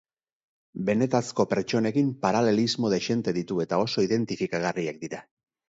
Benetazko pertsonekin paralelismo dexente ditu eta oso identifikagarriak dira.